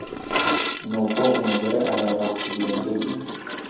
nuko umugore arara aho ku birenge bye